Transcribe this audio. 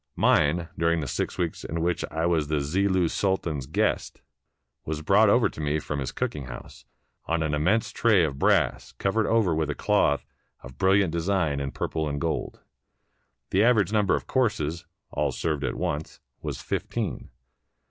Mine, during the six weeks in which I was the Zillu's Sultan's guest, was brought over to me from his cook ing house, on an immense tray of brass covered over with a cloth of brilliant design in purple and gold. The average number of courses (all served at once) was fif teen.